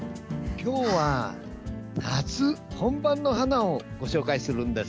今日は夏本番の花をご紹介するんです。